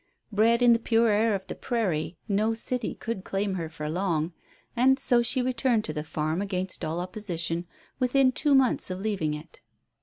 Bred in the pure air of the prairie, no city could claim her for long. And so she returned to the farm against all opposition within two months of leaving it.